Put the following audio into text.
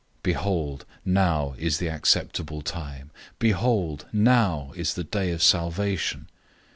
"{Isaiah 49:8} Behold, now is the acceptable time. Behold, now is the day of salvation.